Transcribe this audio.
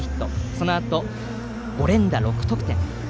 そのあと、５連打６得点。